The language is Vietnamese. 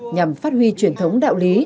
nhằm phát huy truyền thống đạo lý